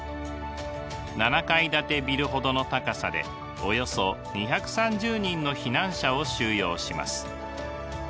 ７階建てビルほどの高さでおよそ２３０人の避難者を収容します。